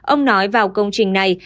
ông nói vào công trình này